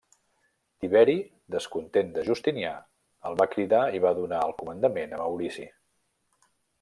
Tiberi, descontent de Justinià, el va cridar i va donar el comandament a Maurici.